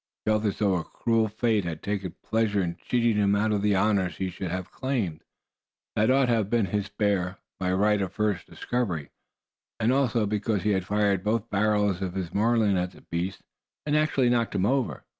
He felt as though a cruel fate had taken pleasure in cheating him out of honors he should have claimed. That ought to have been his bear, by right of first discovery; and also because he had fired both barrels of his Marlin at the beast, and actually knocked him over.